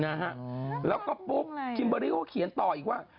นะฮะแล้วก็ปุ๊บคิมเบอร์รี่ก็เขียนต่ออีกว่า